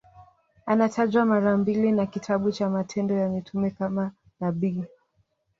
Anatajwa mara mbili na kitabu cha Matendo ya Mitume kama nabii.